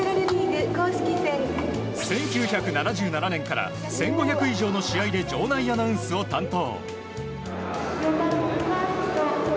１９７７年から１５００以上の試合で場内アナウンスを担当。